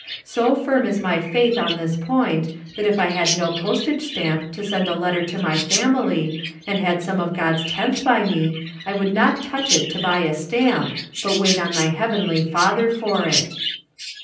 So firm is rwy faith on this point that if I had no postage stamp to send a let ter to my family, and had some of God's tenth by me, I would not touch it to buy a stamp, but wait on my Heavenly Father for it.